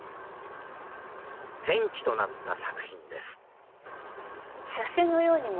転機となった作品です。